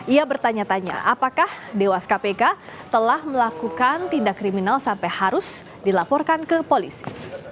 ia bertanya tanya apakah dewas kpk telah melakukan tindak kriminal sampai harus dilaporkan ke polisi